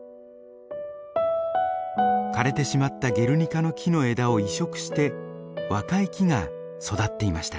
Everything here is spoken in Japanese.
枯れてしまったゲルニカの樹の枝を移植して若い木が育っていました。